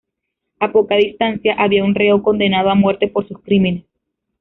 A poca distancia había un reo condenado a muerte por sus crímenes.